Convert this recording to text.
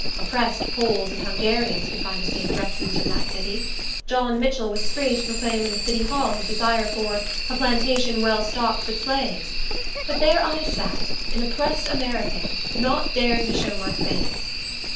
Oppressed Poles and Hungarians could find a safe refuge in that city; John Mitchell was free to proclaim in the City Hall his desire for "a plantation well stocked with slaves;" but there I sat, an oppressed American, not daring to show my face.